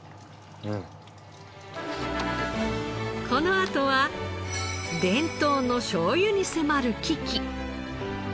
このあとは伝統のしょうゆに迫る危機。